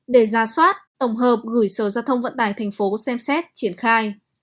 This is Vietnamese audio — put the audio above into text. để ra soát tổng hợp gửi sở giao thông vận tải thành phố xem xét triển khai